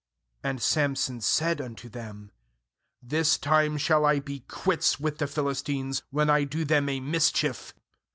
3And Samson said unto them. 'This time shall I be quits with the Philistines, when I do them a mis chief.'